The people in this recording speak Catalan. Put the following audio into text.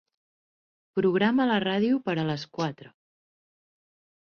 Programa la ràdio per a les quatre.